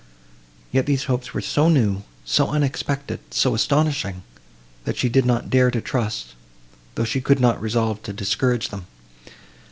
Yet these hopes were so new, so unexpected, so astonishing, that she did not dare to trust, though she could not resolve to discourage them.